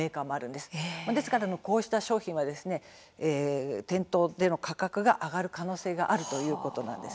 ですから、こうした商品は店頭での価格が上がる可能性があるということなんです。